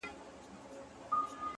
راسه چي زړه ښه درته خالي كـړمـه!!